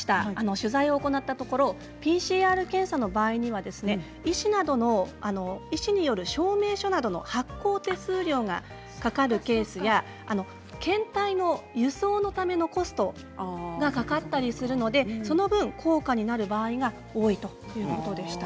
取材を行ったところＰＣＲ検査の場合には医師による証明書などの発行手数料がかかるケースや検体の輸送のためのコストがかかったりするので、その分高価になる場合が多いということでした。